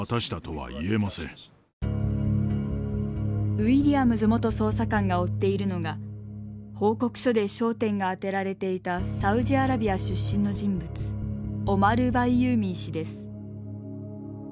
ウィリアムズ元捜査官が追っているのが報告書で焦点が当てられていたサウジアラビア出身の人物オマル・バイユーミー氏です。